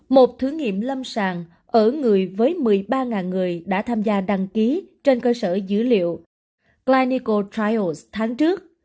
một thử nghiệm lâm sàng ở người với một mươi ba người đã tham gia đăng ký trên cơ sở dữ liệu clyco trios tháng trước